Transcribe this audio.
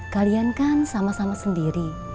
kalian kan sama sama sendiri